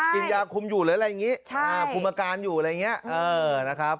กินยาคุมอยู่หรืออะไรอย่างนี้คุมอาการอยู่อะไรอย่างนี้นะครับ